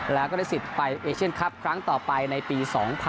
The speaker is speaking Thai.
แล้วก็ได้สิทธิ์ไปเอเชียนคลับครั้งต่อไปในปี๒๐๑๖